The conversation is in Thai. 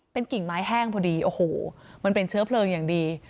เป็นกิ่งไม้แห้งพอดีโอ้โหมันเป็นเชื้อเพลิงอย่างดี